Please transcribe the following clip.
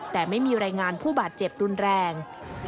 แต่ไม่มีรายงานผู้บาดเจ็บรุนแรง